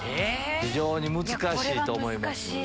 非常に難しいと思います。